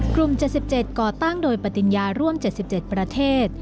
๗๗ก่อตั้งโดยปฏิญญาร่วม๗๗ประเทศ